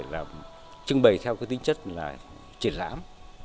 là trưng bày theo cái tính chất là triển lãm